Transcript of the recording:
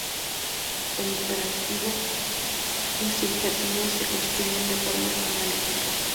El imperativo y el subjuntivo se construyen de forma analítica.